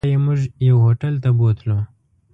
بیا یې موږ یو هوټل ته بوتلو.